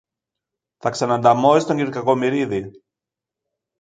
να ξανανταμώσεις τον κυρ Κακομοιρίδη